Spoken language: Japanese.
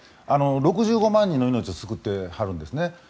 ６５万人の命を救っているんですね。